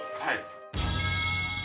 はい。